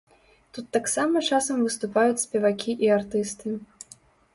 Тут таксама часам выступаюць спевакі і артысты.